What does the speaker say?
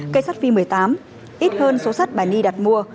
cây sắt phi một mươi tám ít hơn số sắt bà ni đặt mua